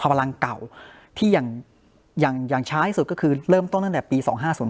พลังเก่าที่อย่างช้าที่สุดก็คือเริ่มต้นตั้งแต่ปี๒๕๐